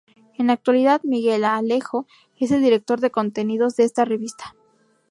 En la actualidad Miguel A. Alejo es el director de contenidos de esta revista.